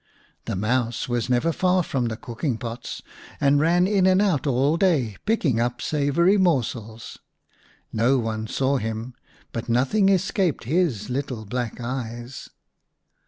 The Mouse was never far from the cooking pots, and ran in and out all day, picking up savoury morsels. No one saw him, but nothing escaped his little black eyes.